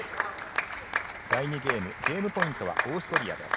第２ゲーム、ゲームポイントはオーストリアです。